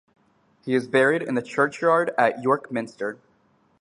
He is buried in the churchyard at York Minster.